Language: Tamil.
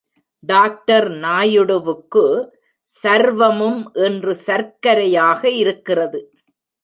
டாக்டர் நாயுடுவுக்கு சர்வமும் இன்று சர்க்கரையாக இருக்கிறது.